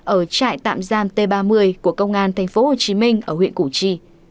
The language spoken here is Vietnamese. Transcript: ở trại tạm giam t ba mươi của công an thành phố hồ chí minh ở huyện củ chi